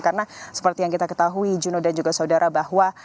karena seperti yang kita ketahui juno dan juga saudara bahwa